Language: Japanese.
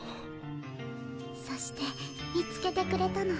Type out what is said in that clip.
そして見つけてくれたの。